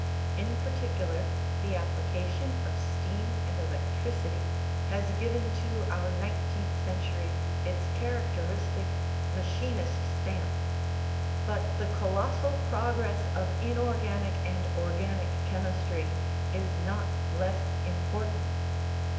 In particular, the application of steam and electricity has given to our nineteenth century its characteristic " machinist stamp." But the colossal progress of inorganic and organic chemistry is not less important.